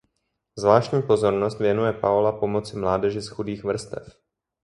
Zvláštní pozornost věnuje Paola pomoci mládeži z chudých vrstev.